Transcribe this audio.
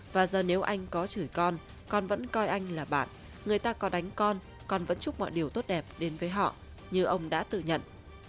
và giờ nếu anh có chửi con con vẫn coi anh là bạn người ta có đánh con còn vẫn chúc mọi điều tốt đẹp đến với họ như ông đã tự nhận